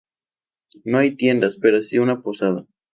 No hay tiendas, pero sí una posada.